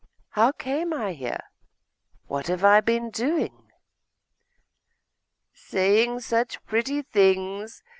'How came I here? What have I been doing?' 'Saying such pretty things!